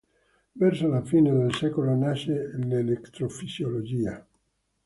Verso la fine del secolo nasce l'elettrofisiologia.